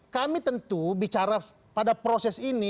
kami tentu bicara pada proses ini